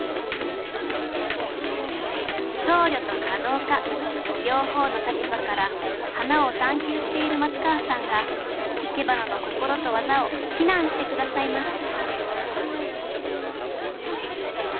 僧侶と華道家両方の立場から花を探究している松川さんがいけばなの心と技を指南して下さいます